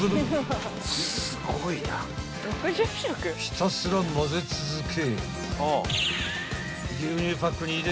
［ひたすら混ぜ続け］